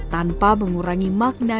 tanpa mengurangi makna